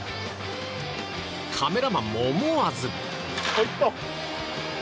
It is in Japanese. カメラマンも思わず。